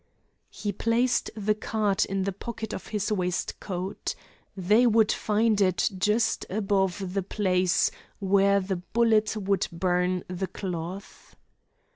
'" He placed the card in the pocket of his waistcoat. They would find it just above the place where the bullet would burn the cloth.